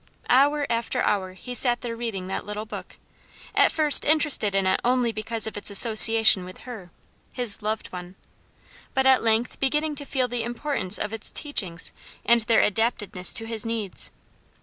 Hour after hour he sat there reading that little book; at first interested in it only because of its association with her his loved one; but at length beginning to feel the importance of its teachings and their adaptedness to his needs.